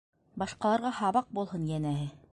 Башҡаларға һабаҡ булһын, йәнәһе.